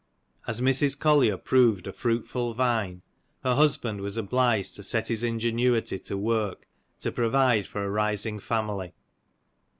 As Mrs. Collier proved a fruitful vine, her husband was obliged to set his • ingenuity to work to provide for a rising family.